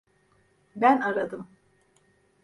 Ben aradım.